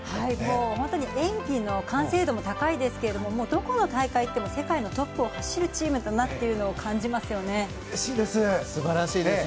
本当に演技の完成度も高いですがどこに行っても世界のトップを走るチームになっているのをうれしいです。